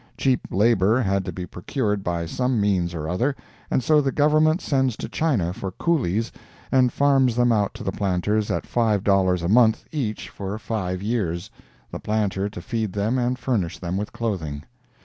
Cheap labor had to be procured by some means or other, and so the Government sends to China for Coolies and farms them out to the planters at $5 a month each for five years, the planter to feed them and furnish them with clothing.